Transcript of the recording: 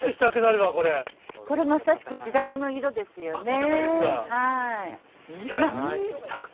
こんな感じですか。